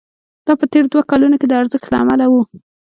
دا په تېرو دوو کلونو کې د ارزښت له امله وو